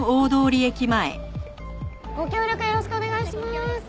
ご協力よろしくお願いします。